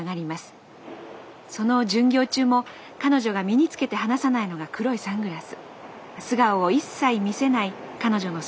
その巡業中も彼女が身に着けて離さないのが黒いサングラス」。